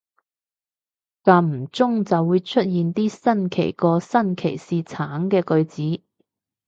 間唔中就會出現啲新奇過新奇士橙嘅句子